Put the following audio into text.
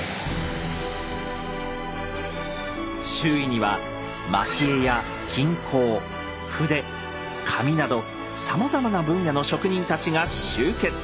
周囲には蒔絵や金工筆紙などさまざまな分野の職人たちが集結。